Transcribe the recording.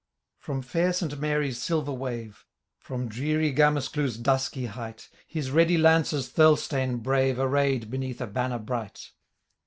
From fair St. Mary's silver wave, From dreary Gamescleuch's dusky height. His ready lances Thirlestane brave Array'd beneatii a banner bright.